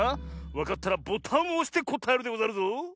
わかったらボタンをおしてこたえるでござるぞ。